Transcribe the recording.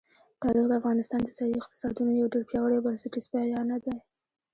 تاریخ د افغانستان د ځایي اقتصادونو یو ډېر پیاوړی او بنسټیز پایایه دی.